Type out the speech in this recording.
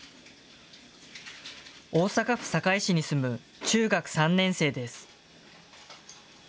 大阪府堺市に住む中学３年生です。